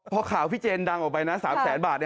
พอข่าวพี่เจนดังออกไปนะ๓แสนบาท